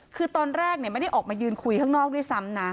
คือตอนแรกไม่ได้ออกมายืนคุยข้างนอกด้วยซ้ำนะ